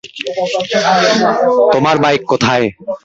তোমার বাইক কোথায়?